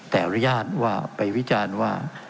แต่อนุญาตว่าไปวิจารณ์ว่า